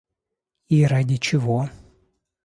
И ради чего?